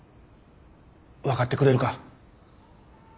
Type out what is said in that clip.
分かってくれるか？